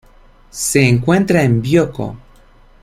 Se encuentra en Bioko.